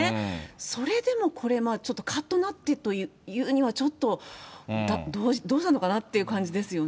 それでもこれ、ちょっとかっとなってっていうには、ちょっとまたどうしたのかなという感じですよね。